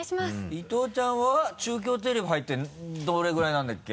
伊藤ちゃんは中京テレビ入ってどれぐらいなんだっけ？